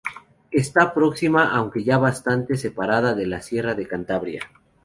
Esta próxima aunque ya bastante separada de la sierra de Cantabria.